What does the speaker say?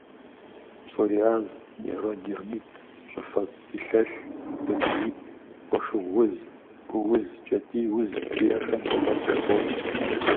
Псориаз, нейродермит, щӏыфэ къилъэлъ, целлюлит, фошыгъу уз, гу уз, кӏэтӏий уз зиӏэхэм сэбэп яхуохъу.